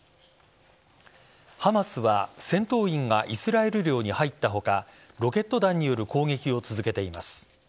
ハマスは戦闘員がイスラエル領に入った他ロケット弾による攻撃を続けています。